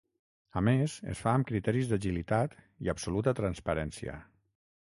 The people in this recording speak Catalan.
A més, es fa amb criteris d’agilitat i absoluta transparència.